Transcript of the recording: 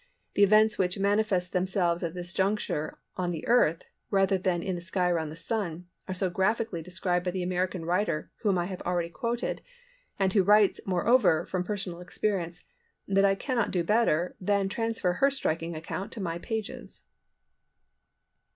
The events which manifest themselves at this juncture on the Earth (rather than in the sky around the Sun) are so graphically described by the American writer whom I have already quoted, and who writes, moreover, from personal experience, that I cannot do better than transfer her striking account to my pages.